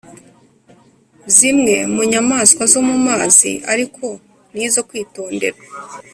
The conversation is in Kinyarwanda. zimwe mu nyamaswa zo mu mazi ariko ni izo kwitonderwa